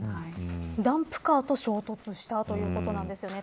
ダンプカーと衝突したということなんですよね